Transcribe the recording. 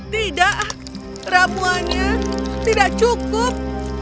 tidak ramuannya tidak cukup